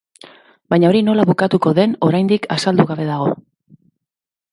Baina hori nola bukatuko den oraindik azaldu gabe dago.